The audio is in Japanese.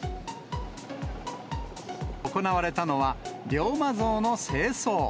行われたのは、龍馬像の清掃。